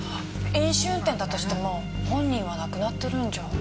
飲酒運転だとしても本人は亡くなってるんじゃ。